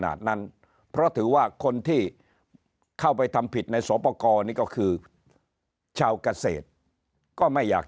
ขนาดนั้นเพราะถือว่าคนที่เข้าไปทำผิดในสอบประกอบนี่ก็คือชาวเกษตรก็ไม่อยาก